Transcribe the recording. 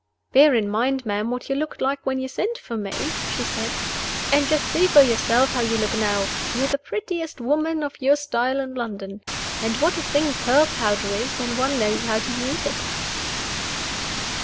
"Bear in mind, ma'am, what you looked like when you sent for me," she said. "And just see for yourself how you look now. You're the prettiest woman (of your style) in London. Ah what a thing pearl powder is, when one knows how to use it!"